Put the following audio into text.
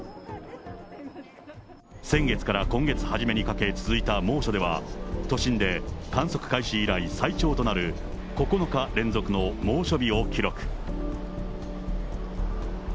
先月から今月初めにかけ続いた猛暑では、都心で観測開始以来、最長となる９日連続の猛暑日を記録。